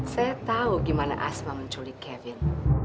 saya tahu gimana asma menculik kevin